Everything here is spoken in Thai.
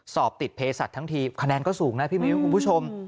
สอบติดเพศสัตว์ทั้งทีคะแนนก็สูงนะพี่มิ้วคุณผู้ชม